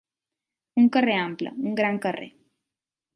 Un carrer ample, un gran carrer.